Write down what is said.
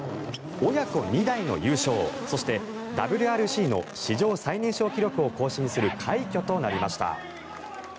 親子２代の優勝そしてＷＲＣの史上最年少記録を更新する快挙となりました。